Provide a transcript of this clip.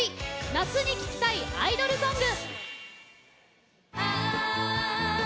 夏に聴きたいアイドルソング。